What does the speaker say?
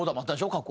過去。